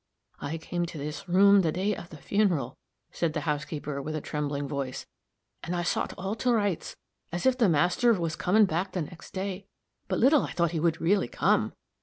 "I came into this room the day of the funeral," said the housekeeper, with a trembling voice, "and I sot all to rights, as if the master was coming back the next day. But little I thought he would really come!